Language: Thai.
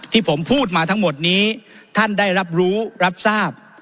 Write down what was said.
ที่ผมพูดมาทั้งหมดนี้ท่านได้รับรู้รับทราบ